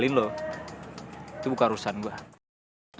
nggalin lo itu bukan urusan gue